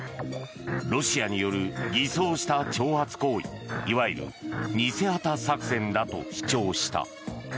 ロシアによる偽装した挑発行為いわゆる偽旗作戦だと主張した。